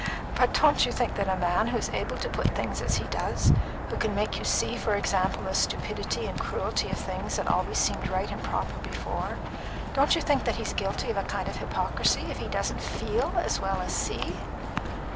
But don't you think that a man who is able to put things as he does who can make you see, for example, the stupidity and cruelty of things that always seemed right and proper before don't you think that he's guilty of a kind of hypocrisy if he doesn't feel as well as see?"